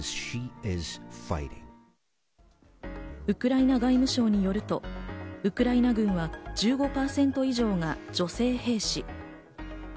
ウクライナ外務省によると、ウクライナ軍は１５％以上が女性兵士。